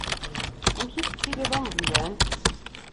Amek tettiliḍ a Meẓyan?